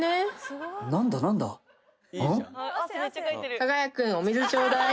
「加賀谷君お水ちょうだい」